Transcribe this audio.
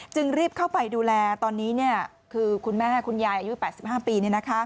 รีบเข้าไปดูแลตอนนี้คือคุณแม่คุณยายอายุ๘๕ปี